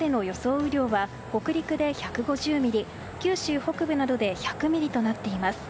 雨量は北陸で１５０ミリ九州北部などで１００ミリとなっています。